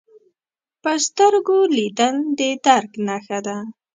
په سترګو لیدل د درک نښه ده